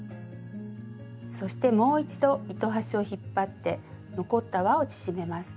そしてもう一度糸端を引っ張って残ったわを縮めます。